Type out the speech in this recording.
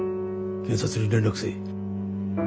警察に連絡せい。